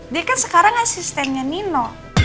dia kan sekarang asistennya nino